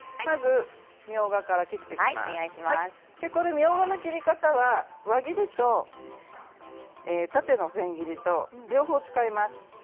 みょうがは輪切りと縦の千切りと両方使います。